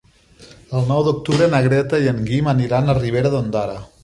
El nou d'octubre na Greta i en Guim aniran a Ribera d'Ondara.